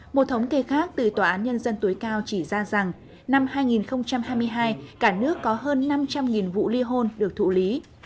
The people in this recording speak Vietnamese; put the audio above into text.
một thống kê khác từ tòa án nhân dân tối cao chỉ ra rằng năm hai nghìn hai mươi hai cả nước có hơn năm trăm linh vụ ly hôn được thụ lý